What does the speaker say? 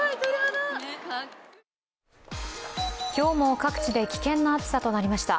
今日も各地で危険な暑さとなりました。